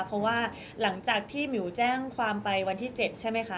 เพราะว่าหลังจากที่หมิวแจ้งความไปวันที่๗ใช่ไหมคะ